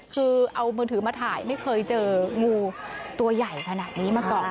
คือเอามือถือมาถ่ายไม่เคยเจองูตัวใหญ่ขนาดนี้มาก่อน